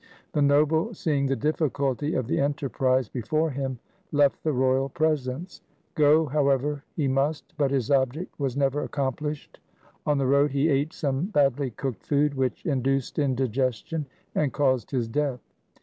The noble, seeing the difficulty of the enterprise before him, left the royal presence. Go, however, he must, but his object was never accomplished. On the road he ate some badly cooked food which induced indigestion and caused his death.